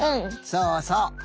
そうそう。